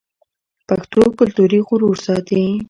پښتو کلتوري غرور ساتي.